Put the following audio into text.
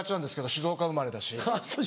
静岡生まれだし。